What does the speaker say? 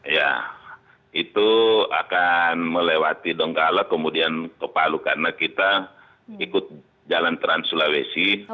ya itu akan melewati donggala kemudian ke palu karena kita ikut jalan trans sulawesi